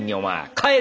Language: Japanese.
帰れ！